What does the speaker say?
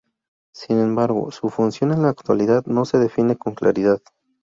Sin embargo, su función en la actualidad no se define con claridad.